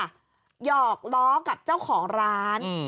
หยอกล้อกับเจ้าของร้าน